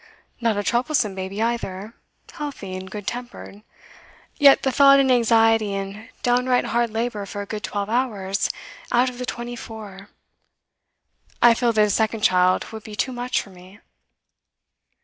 Not a troublesome baby, either; healthy and good tempered. Yet the thought and anxiety and downright hard labour for a good twelve hours out of the twenty four! I feel that a second child would be too much for me.